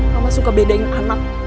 mama suka bedain anak